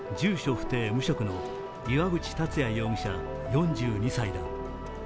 不定・無職の岩渕達也容疑者、４２歳だ。